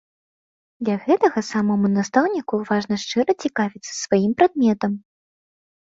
Для гэтага самому настаўніку важна шчыра цікавіцца сваім прадметам.